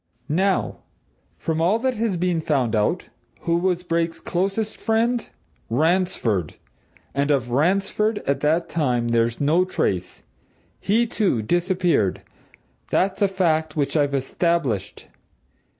Now, from all that has been found out, who was Brake's closest friend? Ransford! And of Ransford, at that time, there's no trace. He, too, disappeared that's a fact which I've established.